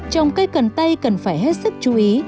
trồng cây cần tây cần phải hết sức chú ý